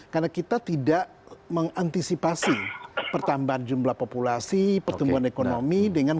karena kita tidak mengantisipasi pertambahan jumlah populasi pertumbuhan ekonomi dengan